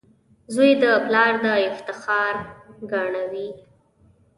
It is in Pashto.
• زوی د پلار د افتخار ګاڼه وي.